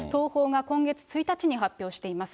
東宝が今月１日に発表しています。